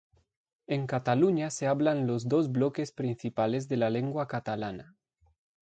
En Cataluña se hablan los dos bloques principales de la lengua catalana.